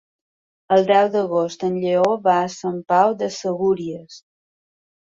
El deu d'agost en Lleó va a Sant Pau de Segúries.